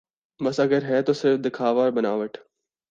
بس اگر ہے تو صرف دکھاوا اور بناوٹ